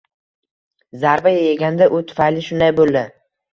Zarba yeganda u tufayli shunday bo’li